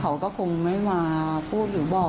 เขาก็คงไม่มาพูดหรือบอก